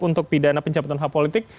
untuk pidana pencabutan hak politik